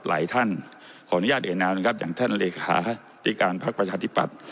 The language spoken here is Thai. หลายท่านขออนุญาตเอ่นามนะครับอย่างท่านเลขาธิการพักประชาธิปัตย